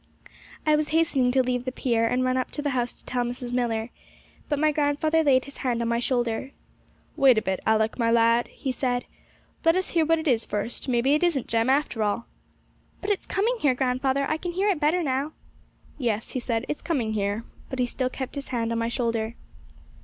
I was hastening to leave the pier, and run up to the house to tell Mrs. Millar, but my grandfather laid his hand on my shoulder. 'Wait a bit, Alick, my lad,' he said; 'let us hear what it is first; maybe it isn't Jem, after all!' 'But it's coming here, grandfather; I can hear it better now.' 'Yes,' he said, 'it's coming here;' but he still kept his hand on my shoulder.